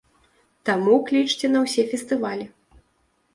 Таму клічце на ўсе фестывалі!